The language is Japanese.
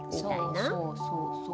そうそうそうそう。